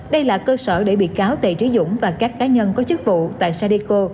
đây là cơ sở để bị cáo tề trí dũng và các cá nhân có chức vụ tại sadeco